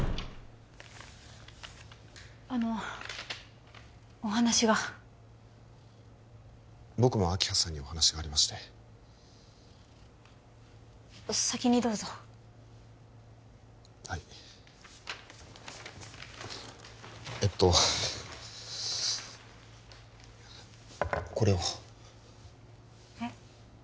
あのお話が僕も明葉さんにお話がありまして先にどうぞはいえっとこれをえっ